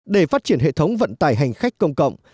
để phát triển hệ thống vận tải hành khách công cộng